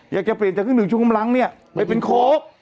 อยากจะเปลี่ยนจากเครื่องหนึ่งชุมกำลังเนี่ยไปเป็นโค้ก